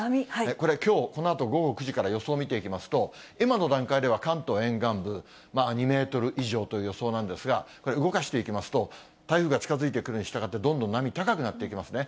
これ、きょうこのあと午後９時から予想見ていきますと、今の段階では、関東沿岸部、２メートル以上という予想なんですが、これ、動かしていきますと、台風が近づいてくるにしたがって、どんどん波高くなっていきますね。